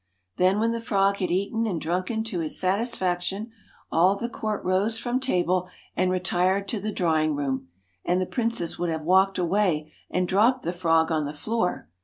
Then when the frog had eaten and drunken to his satisfaction, all the court rose from table and retired to the drawing room, and the princess would have walked away, and dropped the frog on the floor.